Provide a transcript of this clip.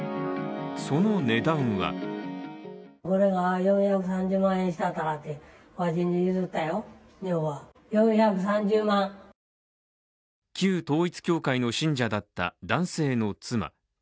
その値段は旧統一教会の信者だった男性の妻。